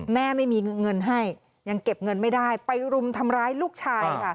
ไม่มีเงินให้ยังเก็บเงินไม่ได้ไปรุมทำร้ายลูกชายค่ะ